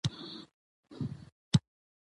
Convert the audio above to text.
ډيپلوماسي د سولې د ټینګښت لپاره حیاتي ده.